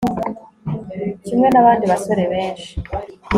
kimwe nabandi basore benshi